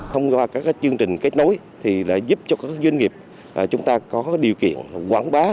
thông qua các chương trình kết nối thì đã giúp cho các doanh nghiệp chúng ta có điều kiện quảng bá